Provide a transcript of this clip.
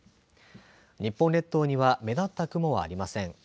日本列島には目立った雲はありません。